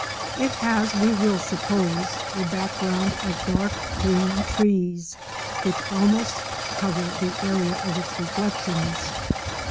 It has, we will suppose, a background of dark green trees, which almost cover the area of its reflections.